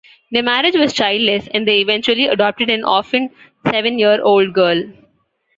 Their marriage was childless, and they eventually adopted an orphaned seven-year-old girl.